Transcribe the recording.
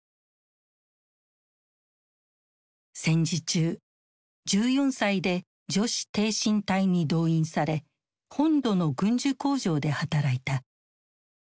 戦時中１４歳で女子挺身隊に動員され本土の軍需工場で働いた。